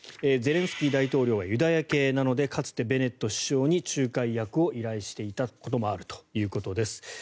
ゼレンスキー大統領はユダヤ系なのでかつて、ベネット首相に仲介役を依頼していたこともあるということです。